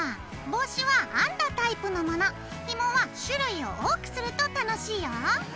帽子は編んだタイプのものひもは種類を多くすると楽しいよ。